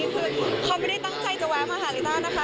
เพราะเขาไม่ได้ตั้งใจจะแวะมาหาฤทธานะคะ